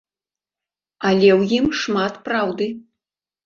Але ў ім шмат праўды.